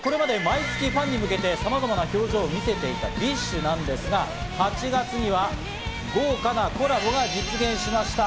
さて、これまで毎月ファンに向けて、さまざまな表情を見せていたＢｉＳＨなんですが、８月には豪華なコラボが実現しました。